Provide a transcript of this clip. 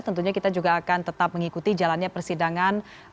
tentunya kita juga akan tetap mengikuti jalannya persidangan